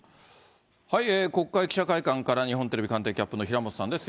国会記者会館から、日本テレビ官邸キャップの平本さんです。